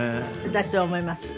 私そう思います。